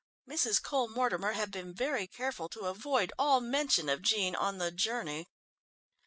Mrs. Cole Mortimer had been very careful to avoid all mention of Jean on the journey.